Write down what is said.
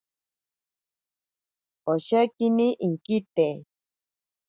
Oshekini inkite.